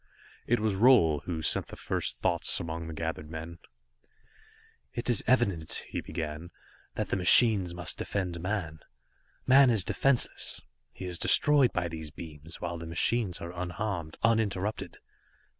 It was Roal who sent the first thoughts among the gathered men. "It is evident," he began, "that the machines must defend man. Man is defenseless, he is destroyed by these beams, while the machines are unharmed, uninterrupted.